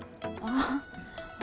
ああ